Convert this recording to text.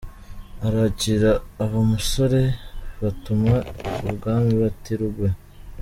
arakira aba umusore; batuma i bwami, bati “Rugwe